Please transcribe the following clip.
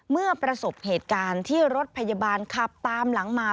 เมื่อประสบเหตุการณ์ที่รถพยาบาลขับตามหลังมา